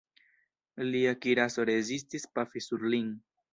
Lia kiraso rezistis pafi sur lin.